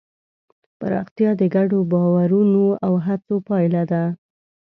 پراختیا د ګډو باورونو او هڅو پایله ده.